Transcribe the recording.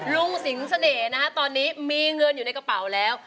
สิงเสน่ห์นะฮะตอนนี้มีเงินอยู่ในกระเป๋าแล้ว